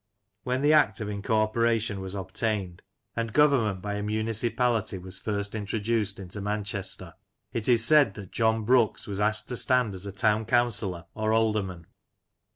When the Act of Incorporation was obtained, and government by a municipality was first intro duced into Manchester, it is said that John Brooks was asked to stand as a Town Councillor or Alderman.